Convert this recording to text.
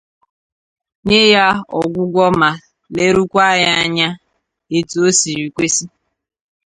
nye ya ọgwụgwọ ma lerukwa ya anya etu o siri kwesi.